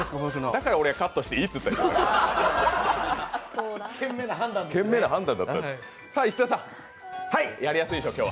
だからカットしていいって言ったんですよ。